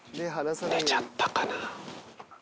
寝ちゃったかな。